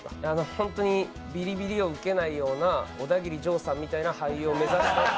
本当にビリビリを受け亡いようなオダギリジョーさんみたいな役者を目指して。